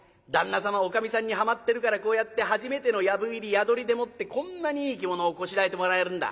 様おかみさんにはまってるからこうやって初めての藪入り宿りでもってこんなにいい着物をこしらえてもらえるんだ。